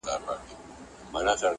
o زما هغه معاش هغه زړه کیسه ده,